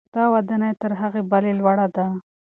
دا ودانۍ تر هغې بلې لوړه ده.